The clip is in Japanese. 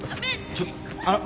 ちょっあの。